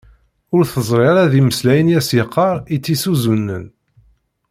Ur teẓri ma d imeslayen i as-yeqqar i tt-isuzunen.